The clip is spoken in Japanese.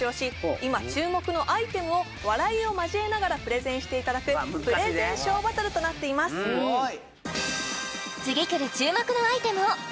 今注目のアイテムを笑いを交えながらプレゼンしていただくプレゼンショーバトルとなっていますすごい！